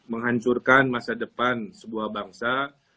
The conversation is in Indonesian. menghancurkan masa depan sebuah bangsa